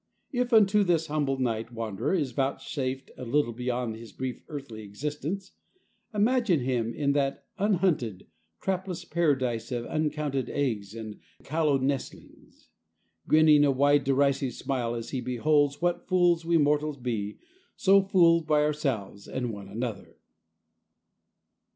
If unto this humble night wanderer is vouchsafed a life beyond his brief earthly existence, imagine him in that unhunted, trapless paradise of uncounted eggs and callow nestlings, grinning a wide derisive smile as he beholds what fools we mortals be, so fooled by ourselves and one another.